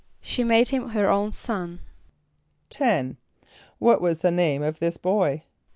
=She made him her own son.= =10.= What was the name of this boy?